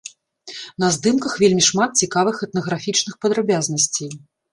На здымках вельмі шмат цікавых этнаграфічных падрабязнасцей.